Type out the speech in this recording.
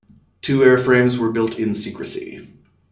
Two airframes were built in secrecy.